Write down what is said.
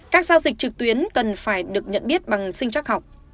các giao dịch trực tuyến cần phải được nhận biết bằng sinh chắc học